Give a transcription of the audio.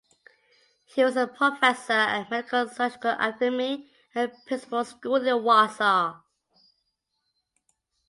He was a professor at the Medical-Surgical Academy and Principal School in Warsaw.